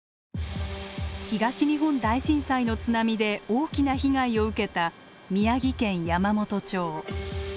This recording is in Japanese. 東日本大震災の津波で大きな被害を受けた宮城県山元町。